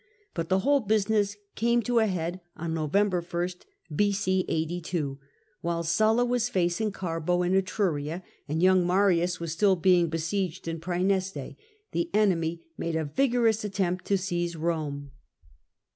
But the whole business came to a head on ISTovember i, b.c. 82 : while Sulla was facing Garbo in Etruria, and young Marius was still being besieged in Praeneste, the enemy made a vigorous attempt to seize Rome.